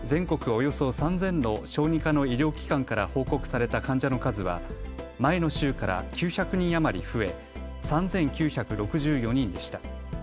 およそ３０００の小児科の医療機関から報告された患者の数は前の週から９００人余り増え３９６４人でした。